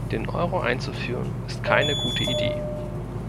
Den Euro einzuführen ist keine gute Idee.